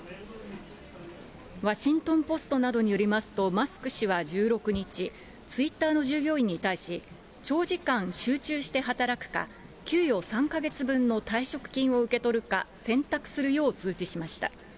ワシントンポストなどによりますと、マスク氏は１６日、ツイッターの従業員に対し、長時間集中して働くか、給与３か月分の退職金を受け取るか、選択するよう通知しました。